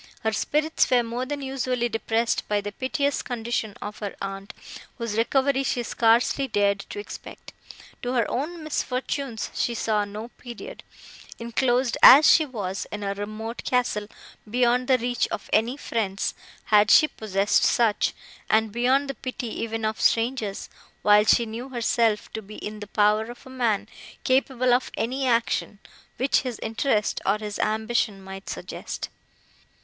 Her spirits were more than usually depressed by the piteous condition of her aunt, whose recovery she scarcely dared to expect. To her own misfortunes she saw no period, inclosed as she was, in a remote castle, beyond the reach of any friends, had she possessed such, and beyond the pity even of strangers; while she knew herself to be in the power of a man capable of any action, which his interest, or his ambition, might suggest.